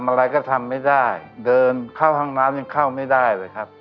อะไรก็ทำไม่ได้เดินเข้าห้องน้ำยังเข้าไม่ได้เลยครับ